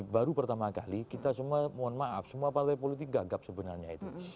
baru pertama kali kita semua mohon maaf semua partai politik gagap sebenarnya itu